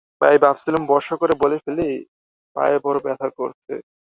তাই ভাবছিলুম ভরসা করে বলে ফেলি, পায়ে বড়ো ব্যথা করছে।